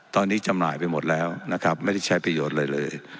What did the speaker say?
ตอนนี้จำหน่ายไปหมดแล้วนะครับไม่ได้ใช้ประโยชน์อะไรเลย